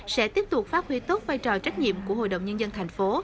sẽ tiếp tục phát huy tốt vai trò trách nhiệm của hội đồng nhân dân tp hcm